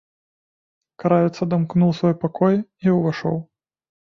Кравец адамкнуў свой пакой і ўвайшоў.